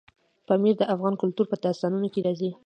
پامیر د افغان کلتور په داستانونو کې راځي.